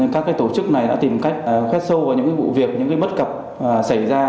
các tổ chức này đã tìm cách khét sâu vào những bụi việc những bất cập xảy ra